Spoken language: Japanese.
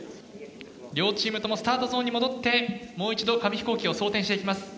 両チームともスタートゾーンに戻ってもう一度紙飛行機を装填していきます。